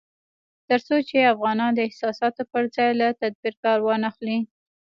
تر څو چې افغانان د احساساتو پر ځای له تدبير کار وانخلي